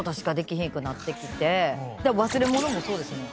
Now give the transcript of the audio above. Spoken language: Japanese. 忘れ物もそうですよね。